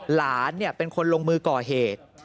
หลานเป็นคนลงมือก่อเหตุ